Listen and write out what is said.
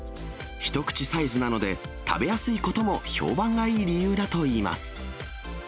一口サイズなので、食べやすいことも評判がいい理由だといいます。